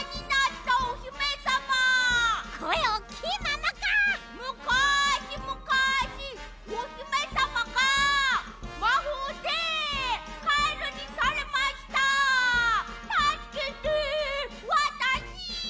『たすけて！わたし』」。